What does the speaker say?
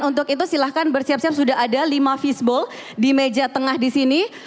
untuk itu silahkan bersiap siap sudah ada lima fishbowl di meja tengah disini